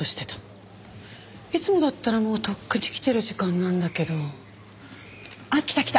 いつもだったらもうとっくに来てる時間なんだけど。あっ来た来た。